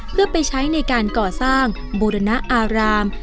เพื่อไปใช้ในการก่อสร้างบูรณอาราม